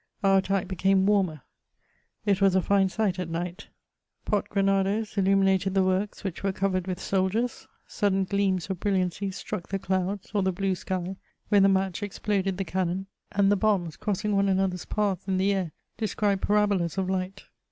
Our attack became warm^; it was a fine sight at night; pot gre nados illuminated the works which were covered with soldiers; sudden gleams of brilliancy struck the clouds, or the blue sky, when the match exploded the cannon, and the bombs, crossung^ one another's path in the air, described parabolas of light.